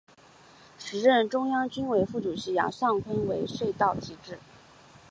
时任中央军委副主席杨尚昆为隧道题字。